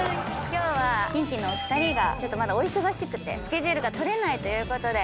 今日はキンキのお二人がちょっとまだお忙しくてスケジュールが取れないということで。